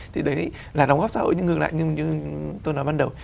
thì đấy là đóng góp xã hội nhưng ngược lại như tôi nói ban đầu